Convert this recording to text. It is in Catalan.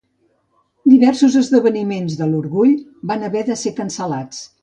Diversos esdeveniments de l'Orgull van haver de ser cancel·lats.